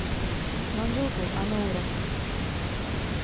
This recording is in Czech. S manželkou Annou roz.